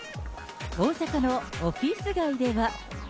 大阪のオフィス街では。